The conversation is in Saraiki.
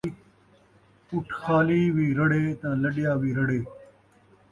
اُٹھ خالی وی رڑے تے لݙیا وی رڑے